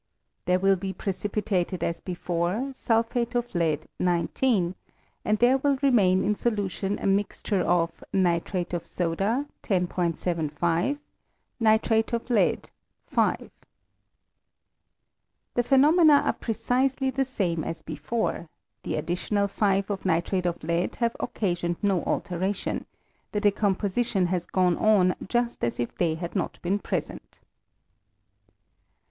There will be precipitated as before, Sulphate of lead 1 9 and there will remain in solution a mixture of Nitrate of soda 10*76 Nitrate of lead 5 The phenomena are precisely the same as before ; the additional 5 of nitrate of lead have occasioned no alteration ; the decomposition has gone on just as if they had not been present.